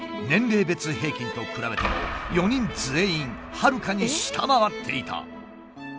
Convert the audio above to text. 年齢別平均と比べても４人全員はるかに下回っていた。